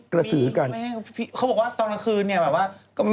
ก็ไม่เราพอเขาจะมา